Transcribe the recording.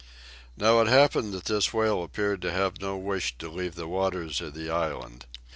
Now it happened that this whale appeared to have no wish to leave the waters of the island.